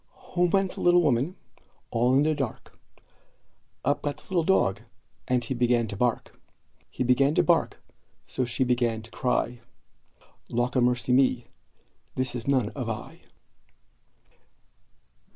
Home went the little woman, all in the dark; Up got the little dog, and he began to bark; He began to bark, so she began to cry "Lawkamercyme, this is none of I!"